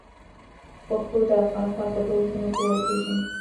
پښتو د افغانستان په ټولو سيمو کې ویل کېږي